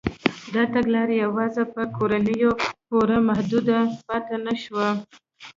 دا تګلاره یوازې په کورنیو پورې محدوده پاتې نه شوه.